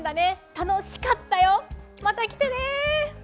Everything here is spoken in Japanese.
楽しかったよ、また来てね。